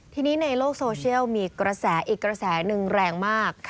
ทีนี้ในโลกโซเชียลมีกระแสอีกกระแสหนึ่งแรงมาก